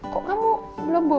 kok kamu belum bu